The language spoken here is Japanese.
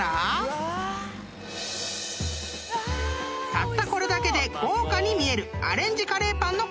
［たったこれだけで豪華に見えるアレンジカレーパンの完成だ］